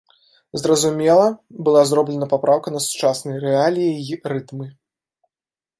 Зразумела, была зроблена папраўка на сучасныя рэаліі і рытмы.